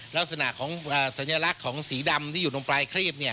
ลักษณะของสัญลักษณ์ของสีดำที่อยู่ตรงปลายครีบ